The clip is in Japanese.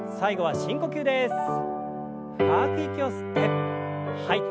深く息を吸って吐いて。